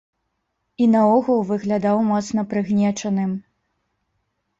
І наогул выглядаў моцна прыгнечаным.